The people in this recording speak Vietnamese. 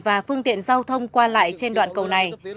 và phương tiện giao thông qua lại trên đoạn cầu này